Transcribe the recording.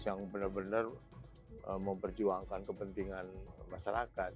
yang benar benar memperjuangkan kepentingan masyarakat